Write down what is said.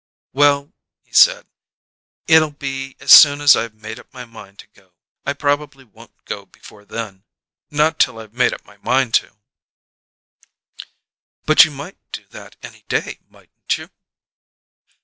"Well," he said, "it'll be as soon as I've made up my mind to go. I probably won't go before then; not till I've made up my mind to." "But you might do that any day, mightn't you?"